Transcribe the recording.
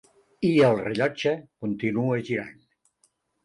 I el rellotge continua girant.